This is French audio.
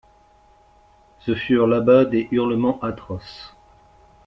Ce furent, là-bas, des hurlements atroces.